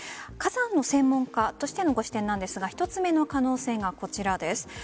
火山の専門家としての視点なんですが１つ目の可能性がこちらです。